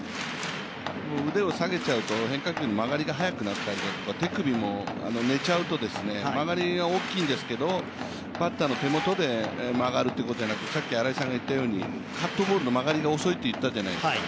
腕を下げちゃうと変化球の曲がりが早くなったり手首も寝ちゃうと曲がりが大きいんですけどバッターの手元で曲がるということじゃなくカットボールの曲がりが遅いとさっき新井さんが言ったじゃないですか。